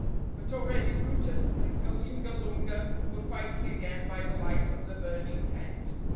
But already brutus and Kalingalunga were fighting again by the light of the burning tent.